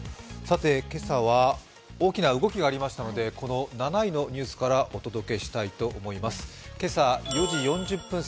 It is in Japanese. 今朝は大きな動きがありましたので、７位のニュースからお届けしたいと思います。